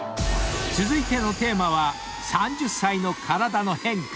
［続いてのテーマは３０歳の体の変化］